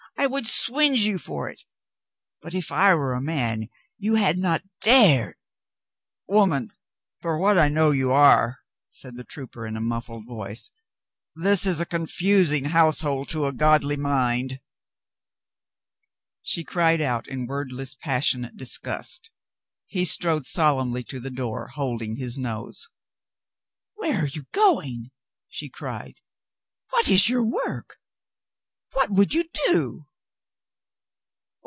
"I would swinge you for it! But if I were a man you had not dared!" 46 COLONEL GREATHEART "Woman, for what I know, you are," said the trooper in a muffled voice. "This is a confusing household to a godly mind." She cried out in wordless passionate disgust. He strode solemnly to the door, holding his nose. "Where are you going?" she cried. "What is your work? What would you do?"